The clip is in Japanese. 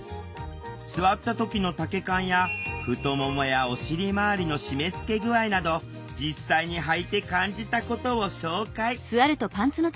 座った時の丈感や太ももやお尻回りの締めつけ具合など実際にはいて感じたことを紹介。